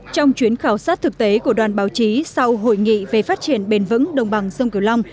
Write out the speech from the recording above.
trong chuyến khảo sát thực tế của đoàn báo chí sau hội nghị về phát triển bền vững đồng bằng sông kiều long